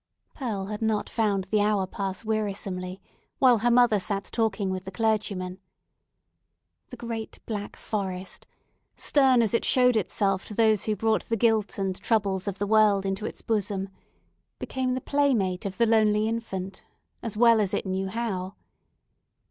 Pearl had not found the hour pass wearisomely while her mother sat talking with the clergyman. The great black forest—stern as it showed itself to those who brought the guilt and troubles of the world into its bosom—became the playmate of the lonely infant, as well as it knew how.